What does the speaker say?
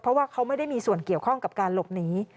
เพราะว่าเขาไม่ได้มีส่วนเกี่ยวข้องกับการหลบหนี